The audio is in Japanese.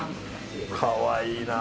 かわいいなあ。